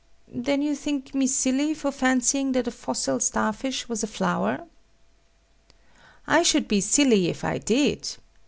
Then do you think me silly for fancying that a fossil star fish was a flower? I should be silly if I did.